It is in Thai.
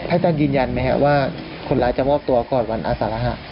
ให้ต้องยืนยันไหมฮะว่าคนร้ายจะมอบตัวก่อนวันอาสารหะ